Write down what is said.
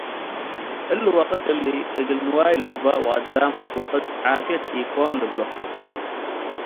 እሊ ወቅት እሊ እግል ንዋይ ልግበእ ወአዳም ወቅት ዓፍየት ኢኮን ልብሎ ።